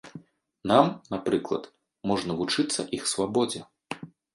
Нам, напрыклад, можна вучыцца іх свабодзе.